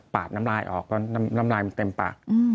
ปาดน้ำลายออกน้ำลายมันเต็มปาก